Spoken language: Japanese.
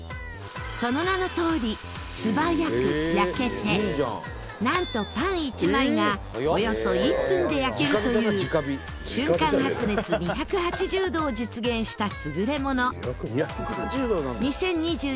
その名のとおり素早く焼けてなんとパン１枚がおよそ１分で焼けるという瞬間発熱２８０度を実現した優れもの。